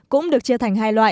cũng được chia sẻ với các người